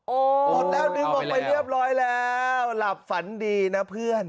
หมดแล้วดึงออกไปเรียบร้อยแล้วหลับฝันดีนะเพื่อน